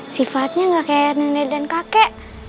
sifatnya nggak kayak nenek dan kakek